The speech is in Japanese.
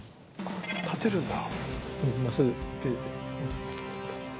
立てるんだ。